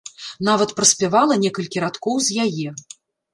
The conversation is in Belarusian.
Нават праспявала некалькі радкоў з яе.